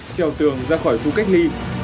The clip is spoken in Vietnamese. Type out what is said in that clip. trèo tường ra khỏi khu cách ly